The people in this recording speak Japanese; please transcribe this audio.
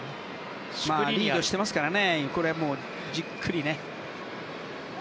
まあリードしていますからじっくりね。